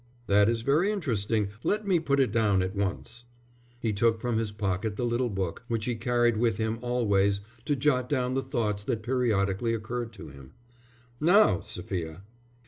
"That is very interesting. Let me put it down at once." He took from his pocket the little book, which he carried with him always to jot down the thoughts that periodically occurred to him. "Now, Sophia."